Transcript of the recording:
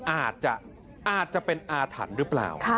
อาจจะเป็นอาถันรึเปล่า